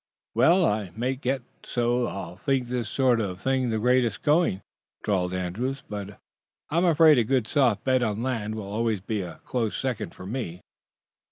"Well, I may get so I'll think this sort of thing the greatest going," drawled Andrews, "but I'm afraid a good, soft bed on land will always be a close second for me."